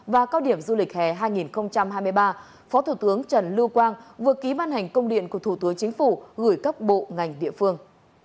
và cao điểm du lịch hè hai nghìn hai mươi ba phó thủ tướng trần lưu quang vừa ký ban hành công điện của thủ tướng chính phủ gửi các bộ ngành địa phương